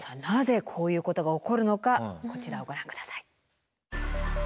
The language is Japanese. なぜこういうことが起こるのかこちらをご覧下さい。